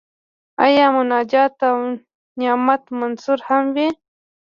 آیا مناجات او نعت منثور هم وي؟